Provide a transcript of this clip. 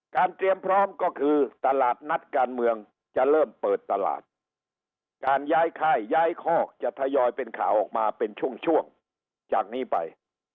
เตรียมพร้อมก็คือตลาดนัดการเมืองจะเริ่มเปิดตลาดการย้ายค่ายย้ายคอกจะทยอยเป็นข่าวออกมาเป็นช่วงช่วงจากนี้ไป